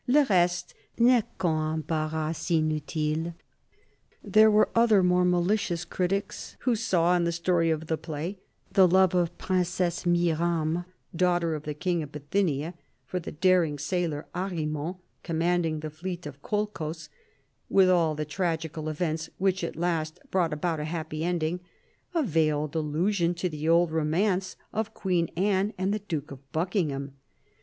" Le reste n'est qu'un embarras inutile." There were other more malicious critics who saw in the story of the play — the love of Princess Mirame, daughter of the King of Bithynia, for the daring sailor Arimant, commanding the fleet of Colchos, with all the tragical events which at last brought about a happy ending — a veiled allusion to the old romance of Queen Anne and the Duke of Buckingham.